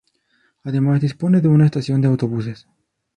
Además dispone de una estación de autobuses.